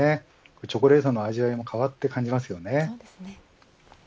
チョコレートの味わいも変わって感じますよね。